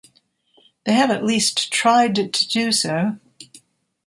They have at least tried to do so.